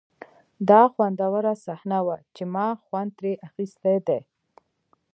دا خوندوره صحنه وه چې ما خوند ترې اخیستی دی